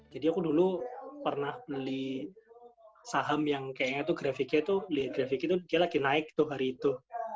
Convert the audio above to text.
jadi aku dulu pernah beli saham yang kayaknya tuh grafiknya tuh beli grafiknya tuh dia lagi naik tuh hari itu